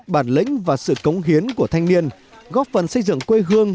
bản lĩnh và sự cống hiến của thanh niên góp phần xây dựng quê hương